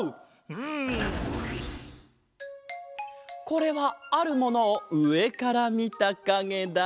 これはあるものをうえからみたかげだ。